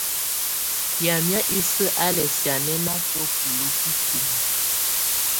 Yamɛ̀á isǝ́ á lɛ̀ sianɛnatɔ̀ buluǝ́ bukimǝ.